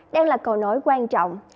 đang là cầu nối quan trọng